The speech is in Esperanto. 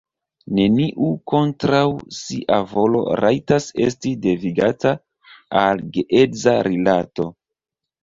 Neniu kontraŭ sia volo rajtas esti devigata al geedza rilato.